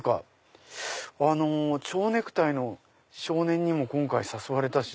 蝶ネクタイの少年にも誘われたし。